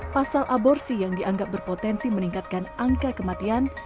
pasal aborsi yang dianggap berpotensi meningkatkan angka kematian